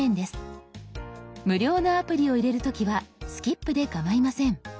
無料のアプリを入れる時は「スキップ」でかまいません。